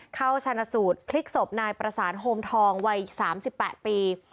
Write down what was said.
ชาญสูตรพลิกศพนายประสานโฮมทองวัย๓๘ปี